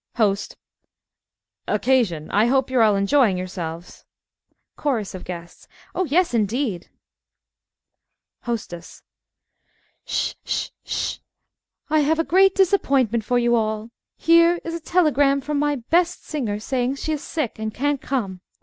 HOST occasion. I hope you are all enjoying yourselves. CHORUS OF GUESTS Yes, indeed! HOSTESS 'Sh, 'sh, 'sh! I have a great disappointment for you all. Here is a telegram from my best singer, saying she is sick, and can't come.